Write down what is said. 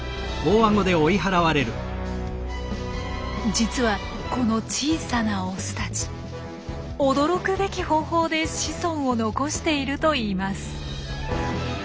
実はこの小さなオスたち驚くべき方法で子孫を残しているといいます。